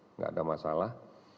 enggak ada masalah